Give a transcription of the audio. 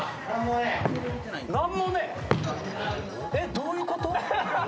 えっどういうこと？